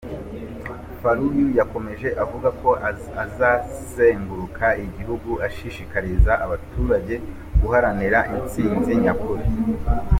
Faluyu yakomeje avuga ko azazenguruka igihugu ashishikariza abaturage guharanira intsinzi nyakuri.